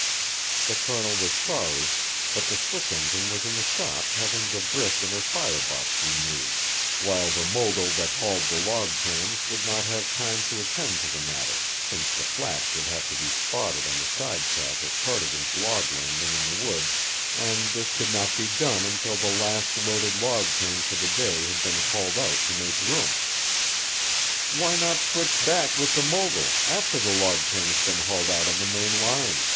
The Colonel was sorry, but the switch engine was in the shop having the brick in her fire box renewed, while the mogul that hauled the log trams would not have time to attend to the matter, since the flats would have to be spotted on the sidetrack at Cardigan's log landing in the woods, and this could not be done until the last loaded log train for the day had been hauled out to make room. "Why not switch back with the mogul after the logtrain has been hauled out on the main line?"